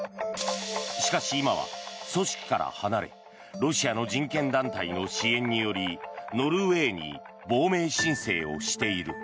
しかし、今は組織から離れロシアの人権団体の支援によりノルウェーに亡命申請をしている。